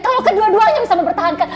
kalau kedua duanya bisa mempertahankan